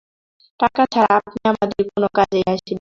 টাকা ছাড়া, আপনি আমাদের কোনো কাজেই আসবেন না।